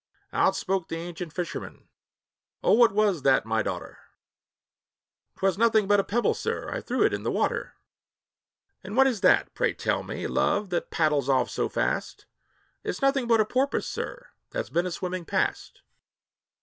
Out spoke the ancient fisherman, "Oh, what was that, my daughter?" "'T was nothing but a pebble, sir, I threw into the water." "And what is that, pray tell me, love, that paddles off so fast?" "It's nothing but a porpoise, sir, that 's been a swimming past."